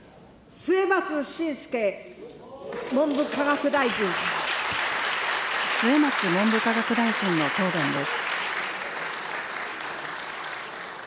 末松文部科学大臣の答弁です。